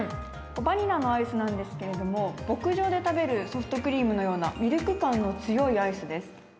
バニラのアイスなんですけれども、牧場で食べるソフトクリームのような、ミルク感の強いアイスです。